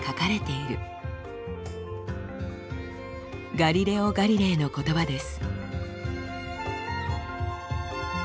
ガリレオ・ガリレイの言葉です。